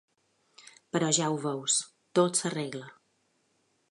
Però ja ho veus, tot s'arregla.